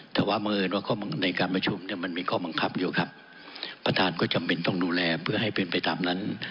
แต่ว่าบังเอิญว่าในการประชุมเนี่ยมันมีข้อบังคับอยู่ครับประธานก็จำเป็นต้องดูแลเพื่อให้เป็นไปตามนั้น